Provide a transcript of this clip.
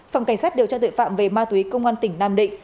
phòng cảnh sát điều tra tuệ phạm về ma túy công an tỉnh nam định